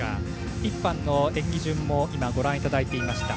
１班の演技順もご覧いただいていました。